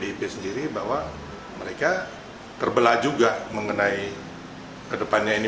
pdip sendiri bahwa mereka terbelah juga mengenai kedepannya ini